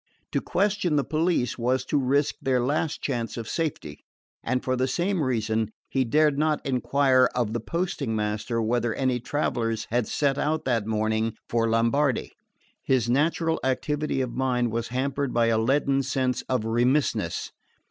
To question the police was to risk their last chance of safety; and for the same reason he dared not enquire of the posting master whether any travellers had set out that morning for Lombardy. His natural activity of mind was hampered by a leaden sense of remissness.